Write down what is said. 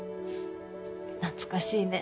懐かしいね。